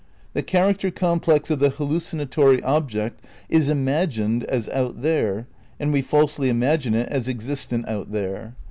The character complex of the hallucinatory object is imagined as out there, and we falsely imagine it as existent out there.